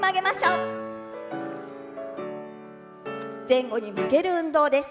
前後に曲げる運動です。